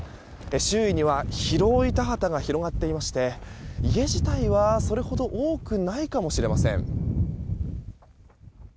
周囲には広い田畑が広がっていまして家自体はそれほど多くないかもしれません。